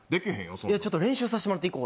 ちょっと練習させてもらっていい？